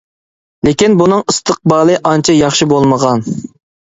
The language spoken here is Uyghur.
لېكىن بۇنىڭ ئىستىقبالى ئانچە ياخشى بولمىغان.